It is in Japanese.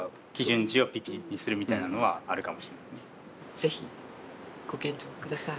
ぜひご検討下さい。